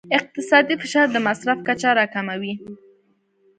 اقتصادي فشار د مصرف کچه راکموي.